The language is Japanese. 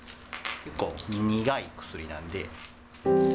結構苦い薬なんで。